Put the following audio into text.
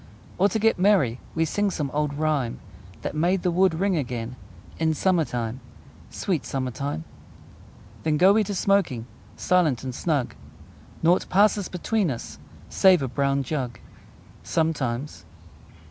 Or, to get merry, We sing some old rhyme That made the wood ring again In summer time Sweet summer time! Then go we smoking, Silent and snug: Naught passes between us, Save a brown jug Sometimes!